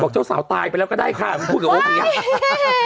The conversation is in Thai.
เจ้าสาวตายไปแล้วก็ได้ค่ะมึงพูดกับโอ๊คอย่างนี้